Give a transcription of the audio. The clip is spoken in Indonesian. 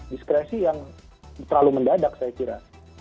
diskresi yang terlalu mendadak saya kira